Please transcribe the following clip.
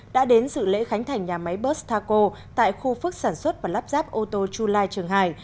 đã đến sự lễ khánh thành nhà máy bustaco tại khu phức sản xuất và lắp ráp ô tô chulai trường hải